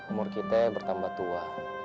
umur kita bertambah tua